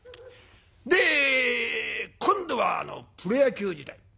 で今度はプロ野球時代。